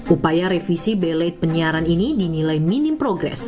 upaya revisi belet penyiaran ini dinilai minim progres